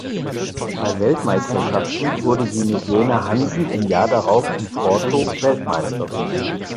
Bei Weltmeisterschaften wurde sie mit Jena Hansen im Jahr darauf in Porto Weltmeisterin.